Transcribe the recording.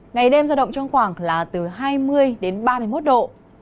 ngày đêm giao động trong khoảng là từ hai mươi đến ba mươi một độ